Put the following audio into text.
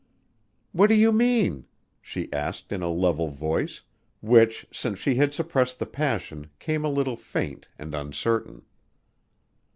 "What do you mean?" she asked in a level voice, which since she had suppressed the passion came a little faint and uncertain.